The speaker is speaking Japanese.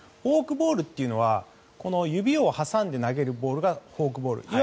フォークボールというのは指を挟んで投げるボールがフォークボール。